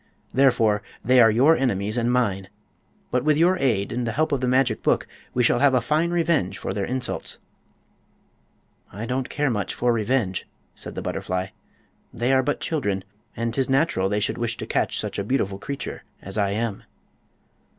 "Therefore, they are your enemies and mine! But with your aid and the help of the magic book we shall have a fine revenge for their insults." "I don't care much for revenge," said the butterfly. "They are but children, and 'tis natural they should wish to catch such a beautiful creature as I am."